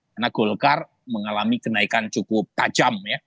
karena golkar mengalami kenaikan cukup tajam ya